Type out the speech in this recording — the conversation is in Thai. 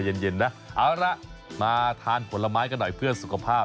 เย็นนะเอาละมาทานผลไม้กันหน่อยเพื่อสุขภาพ